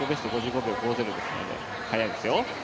５５秒５０ですので、速いですよ。